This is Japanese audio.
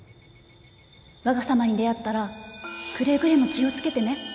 わが様に出会ったらくれぐれも気を付けてね